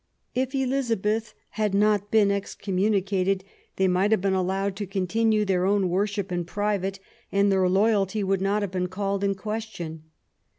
If Elizabeth had not been excommunicated, they might have been allowed to continue their own worship in private, and their loyalty would not have been called in question.